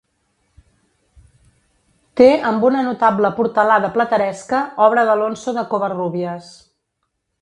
Té amb una notable portalada plateresca, obra d'Alonso de Covarrubias.